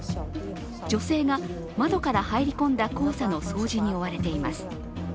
女性が窓から入り込んだ黄砂の掃除に追われています。